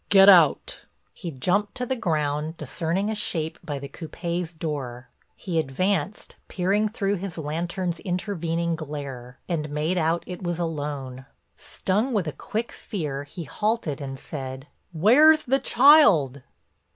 Get out." He jumped to the ground, discerning a shape by the coupé's door. He advanced, peering through his lantern's intervening glare, and made out it was alone. Stung with a quick fear, he halted and said. "Where's the child?"